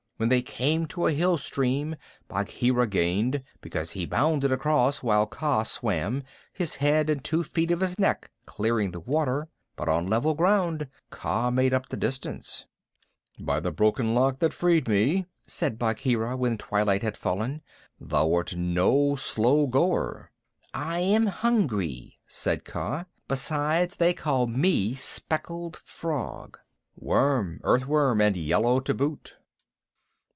When they came to a hill stream, Bagheera gained, because he bounded across while Kaa swam, his head and two feet of his neck clearing the water, but on level ground Kaa made up the distance. "By the Broken Lock that freed me," said Bagheera, when twilight had fallen, "thou art no slow goer!" "I am hungry," said Kaa. "Besides, they called me speckled frog." "Worm earth worm, and yellow to boot."